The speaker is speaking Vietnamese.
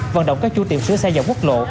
vận động các chú tiệm xứa xa dòng quốc lộ